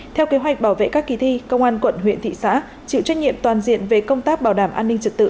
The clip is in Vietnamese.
theo kế hoạch bảo vệ các kỳ thi công an quận huyện thị xã chịu trách nhiệm toàn diện về công tác bảo đảm an ninh trật tự